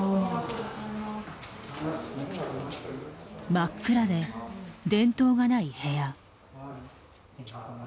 真っ暗で電灯がない部屋。